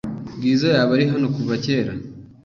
Bwiza yaba ari hano kuva kera?